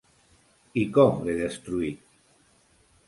I com l"he destruït?